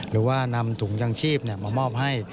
หรือว่านำถุงยางชีพมามอบให้